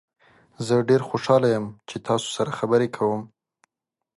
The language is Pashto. زه ډیر خوشحال یم چې تاسو سره خبرې کوم.